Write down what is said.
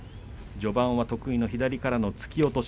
序盤は得意の左からの突き落とし。